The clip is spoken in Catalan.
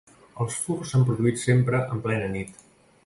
Els furs s’han produït sempre en plena nit.